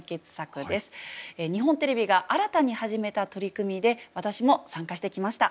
日本テレビが新たに始めた取り組みで私も参加してきました。